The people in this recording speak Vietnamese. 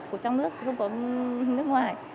của trong nước không có nước ngoài